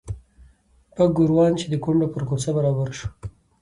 پک ګوروان چې د کونډو پر کوڅه برابر شو.